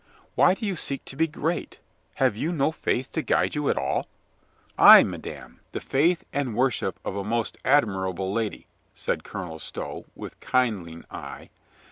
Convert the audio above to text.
Why do you seek to be great ? Have you no faith to guide you at all ?" "Ay, madame, the faith and worship of a most admirable lady," said Colonel Stow, with kindling eye.